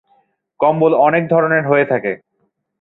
কম্বল অনেক ধরনের হয়ে থাকে।